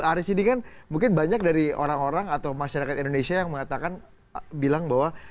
aris ini kan mungkin banyak dari orang orang atau masyarakat indonesia yang mengatakan bilang bahwa